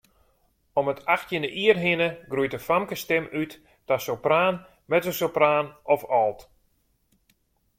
Om it achttjinde jier hinne groeit de famkesstim út ta sopraan, mezzosopraan of alt.